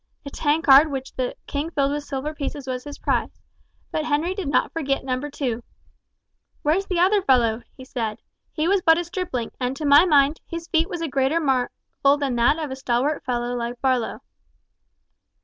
A tankard which the king filled with silver pieces was his prize, but Henry did not forget No. 2. "Where's the other fellow?" he said. "He was but a stripling, and to my mind, his feat was a greater marvel than that of a stalwart fellow like Barlow."